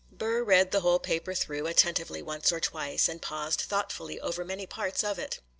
Burr read the whole paper through attentively once or twice, and paused thoughtfully over many parts of it.